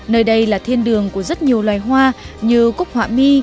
nơi đây là thiên đường của rất nhiều loài hoa như cúc họa mi